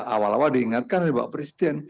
awal awal diingatkan oleh bapak presiden